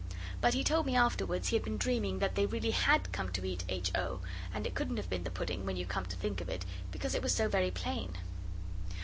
But he told me afterwards he had been dreaming that they really had come to eat H. O., and it couldn't have been the pudding, when you come to think of it, because it was so very plain.